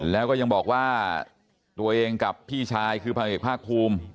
แล้วก็ยังบอกว่าตัวเองกับพี่ชายคือพันเอกภาคภูมิ